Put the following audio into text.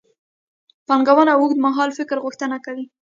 پانګونه د اوږدمهال فکر غوښتنه کوي.